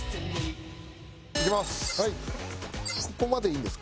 いきます。